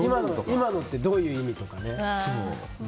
今のってどういう意味？とか。